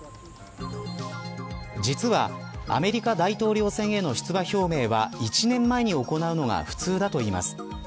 実は、アメリカ大統領選への出馬表明は１年前に行うのが普通だといいます。